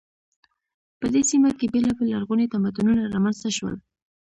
په دې سیمه کې بیلابیل لرغوني تمدنونه رامنځته شول.